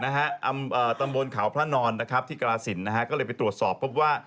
ตำบลขาวพระนอนที่กราศิลป์นะฮะก็เลยไปตรวจสอบเพราะว่า